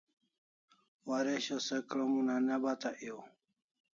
Waresho se krom una ne bata ew